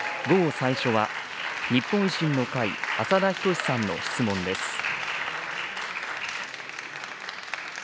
午後最初は、日本維新の会、浅田均さんの質問です。